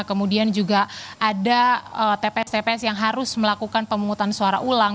kemudian juga ada tps tps yang harus melakukan pemungutan suara ulang